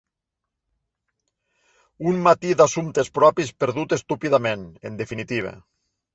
Un matí d'assumptes propis perdut estúpidament, en definitiva.